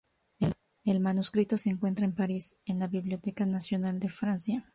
El manuscrito se encuentra en París, en la Biblioteca Nacional de Francia.